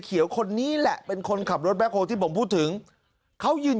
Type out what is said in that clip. คนนี้แหละเป็นคนขับรถแบ็คโฮที่ผมพูดถึงเขายืน